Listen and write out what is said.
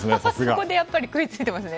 そこでやっぱり食いついていますね。